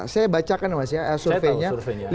saya bacakan mas ya surveinya